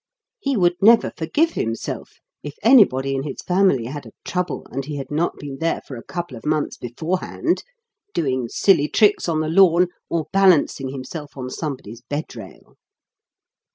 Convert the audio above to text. He would never forgive himself if anybody in his family had a trouble and he had not been there for a couple of months beforehand, doing silly tricks on the lawn, or balancing himself on somebody's bed rail.